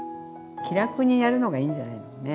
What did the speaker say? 気楽にやるのがいいんじゃないねえ。